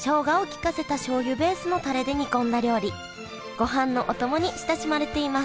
ごはんのお供に親しまれています